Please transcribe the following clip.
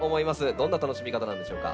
どんな楽しみ方なんでしょうか？